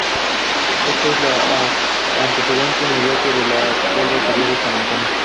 Este es el antecedente inmediato de la actual Batería de San Antonio.